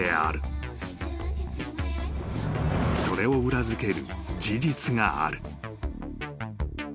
［それを裏付ける事実がある］